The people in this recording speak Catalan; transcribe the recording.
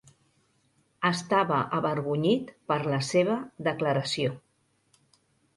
Estava avergonyit per la seva declaració.